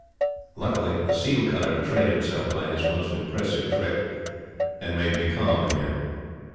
Luckily, the seal cutter betrayed himself by his most impressive trick and made me calm again.